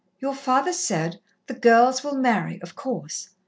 "Your father said, 'The girls will marry, of course.'